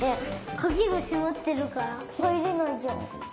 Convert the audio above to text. かぎがしまってるからはいれないじゃん。